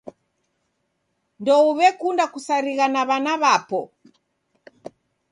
Ndouw'ekunda kusarigha na w'ana w'apo.